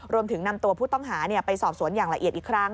รวมถึงนำตัวผู้ต้องหาไปสอบสวนอย่างละเอียดอีกครั้ง